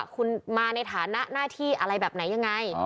คุณมาในฐานะหน้าที่อะไรแบบไหนยังไง